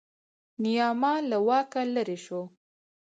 نیاما له واکه لرې شو.